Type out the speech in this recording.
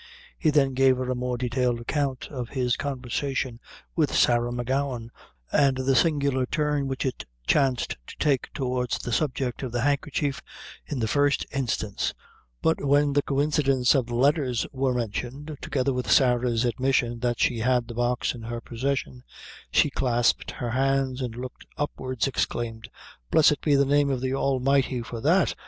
He then gave her a more detailed account of his conversation with Sarah M'Gowan, and the singular turn which it chanced to take towards the subject of the handkerchief, in the first instance; but when the coincidence of the letters were mentioned, together with Sarah's admission that she had the box in her possession, she clasped her hands, and looking upwards exclaimed "Blessed be the name of the Almighty for that!